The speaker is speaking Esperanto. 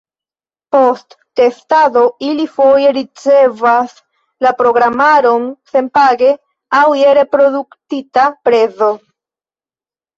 Post testado ili foje ricevas la programaron senpage aŭ je reduktita prezo.